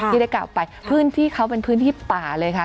ที่ได้กล่าวไปพื้นที่เขาเป็นพื้นที่ป่าเลยค่ะ